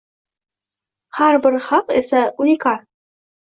Har bir xalq esa – unikal.